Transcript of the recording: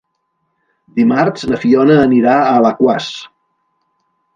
Dimarts na Fiona anirà a Alaquàs.